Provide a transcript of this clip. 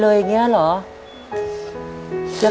ถ้าเป็นแทนได้อยากจะเป็นเอง